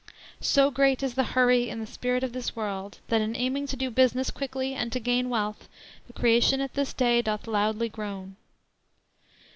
"So great is the hurry in the spirit of this world, that in aiming to do business quickly and to gain wealth, the creation at this day doth loudly groan."